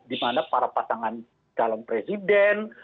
di mana para pasangan calon presiden